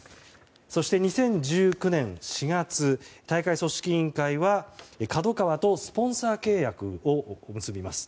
そして２０１９年４月大会組織委員会はＫＡＤＯＫＡＷＡとスポンサー契約を結びます。